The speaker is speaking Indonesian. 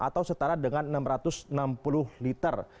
ini juga setara dengan enam ratus enam puluh liter